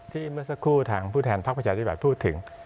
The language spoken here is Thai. ที่เมื่อสักครู่ทางผู้แทนภาคประชาชนิดแบบพูดถึง